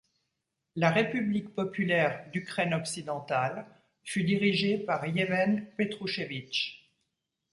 La république populaire d'Ukraine occidentale fut dirigée par Yevhen Petrouchevytch.